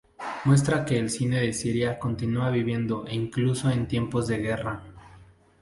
Muestra que el cine de Siria continúa viviendo incluso en tiempos de guerra.